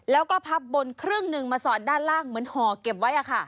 แล้วก็พับบนครึ่งหนึ่งมาสอดด้านล่างเหมือนห่อเก็บไว้